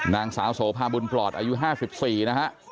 นางสาวโสภาบุญปลอดอายุ๕๔นะฮะ